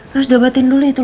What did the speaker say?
harus dobatin dulu itu lho